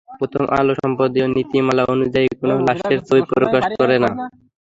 প্রথম আলো সম্পাদকীয় নীতিমালা অনুযায়ী কোনো লাশের ছবি প্রকাশ করে না।